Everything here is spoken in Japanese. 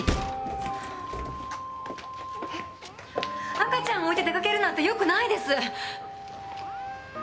赤ちゃんを置いて出かけるなんてよくないです！